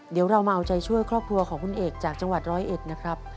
เดี๋ยวเรามาเอาใจช่วยครอบครัวของคุณเอกจากจังหวัดร้อยเอ็ดนะครับ